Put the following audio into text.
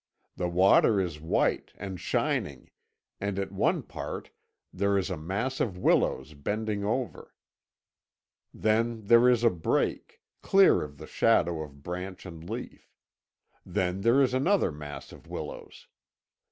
The water is white and shining and at one part there is a mass of willows bending over; then there is a break, clear of the shadow of branch and leaf; then there is another mass of willows.